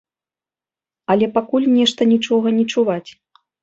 Але пакуль нешта нічога не чуваць.